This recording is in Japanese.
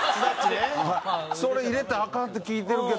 「それ入れたらアカンって聞いてるけど！」。